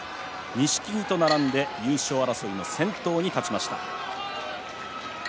錦木と並んで優勝争いの先頭に立ちました。